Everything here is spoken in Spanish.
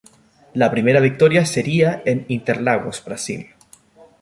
La primera victoria sería en Interlagos, Brasil.